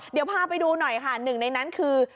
เดี๋ยวพาไปดูหน่อย๑ในนั้นคือ